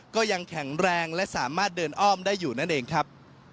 ก็ยังแข็งแรงและสามารถเดินอ้อมได้อยู่นั่นเองครับ